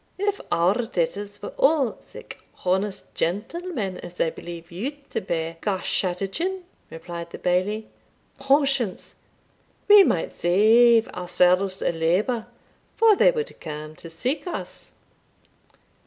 "If our debtors were a' sic honest gentlemen as I believe you to be, Garschattachin," replied the Bailie, "conscience! we might save ourselves a labour, for they wad come to seek us."